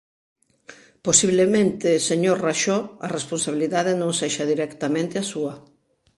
Posiblemente, señor Raxó, a responsabilidade non sexa directamente a súa.